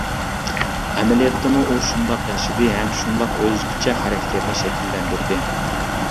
ئەمەلىيەتتىمۇ ئۇ شۇنداق ياشىدى ھەم شۇنداق ئۆزگىچە خاراكتېرىنى شەكىللەندۈردى.